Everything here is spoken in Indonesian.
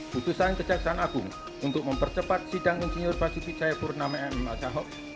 kutusan kejaksaan agung untuk mempercepat sidang insinyur basuki cahyapurnama alaih sahab